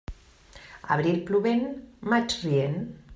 Abril plovent, maig rient.